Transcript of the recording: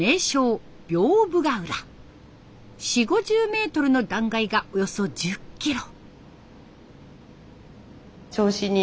４０５０メートルの断崖がおよそ１０キロ。